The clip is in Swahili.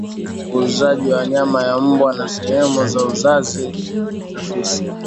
Uuzaji wa nyama ya mbwa na sehemu za uzazi za fisi